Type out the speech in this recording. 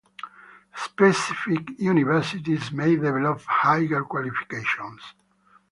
Specific universities may develop higher qualifications.